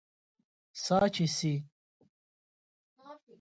سا چې سي